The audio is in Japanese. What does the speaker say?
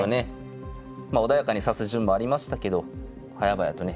穏やかに指す順もありましたけどはやばやとね